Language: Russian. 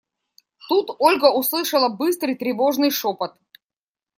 Тут Ольга услышала быстрый, тревожный шепот.